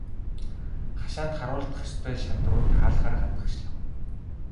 Хашаанд харуулдах ёстой шадрууд хаалгаар гадагшлав.